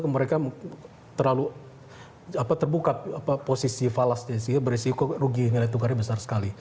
mereka terlalu terbuka posisi falasnya berisiko rugi nilai tukarnya besar sekali